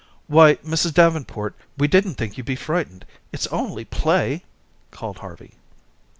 "Why, Mrs. Davenport, we didn't think you'd be frightened. It's only play," called Harvey.